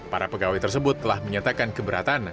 para pegawai tersebut telah menyatakan keberatan